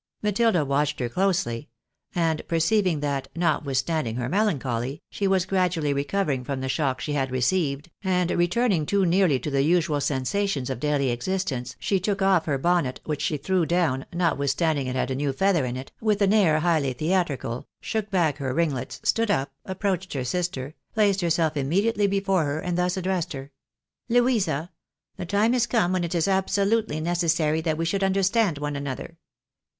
Matilda watched her closely ; and perceiving that, notwithstanding her melancholy, she ■was gradually recovering from the shock she had received, and returning too nearly to the usual sensations of daily existence, she took off her bonnet, which she threw down (notwitlistanding it had a new feather in it) with an air highly theatrical, shook back her ringlets, stood up, approached her sister, placed herseK immediately before her, and thus addressed her —" Louisa !— ^The time is come when it is absolutely necessary 26 THE BAENABYS IN AMERICA. that we should understand one another.